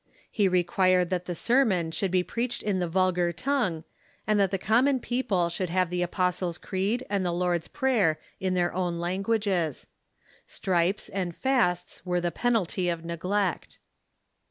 He required that the sermon should be preached in the vulgar tongue, and that the common people should have the Apostles' Creed and the Lord's Prayer in their own languages. Stripes and fasts were the penalty of neglect.